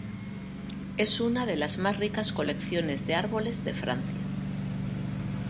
Es una de las más ricas colecciones de árboles de Francia.